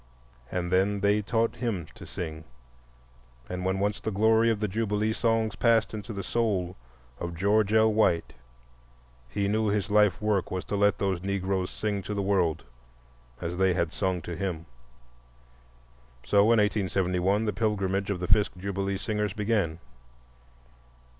And then they taught him to sing, and when once the glory of the Jubilee songs passed into the soul of George L. White, he knew his life work was to let those Negroes sing to the world as they had sung to him. So in 1871 the pilgrimage of the Fisk Jubilee Singers began.